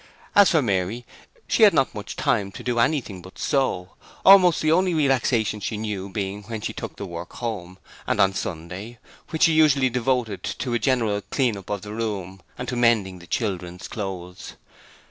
As for Mary, she had not much time to do anything but sew, almost the only relaxation she knew being when she took the work home, and on Sunday, which she usually devoted to a general clean up of the room, and to mending the children's clothes.